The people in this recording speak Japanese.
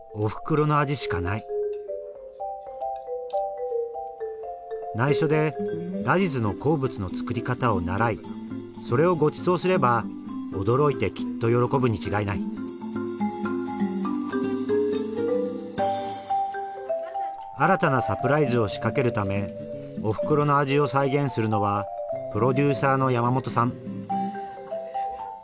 ないしょでラジズの好物の作り方を習いそれをごちそうすれば驚いてきっと喜ぶに違いない新たなサプライズを仕掛けるためおふくろの味を再現するのはプロデューサーの山本さん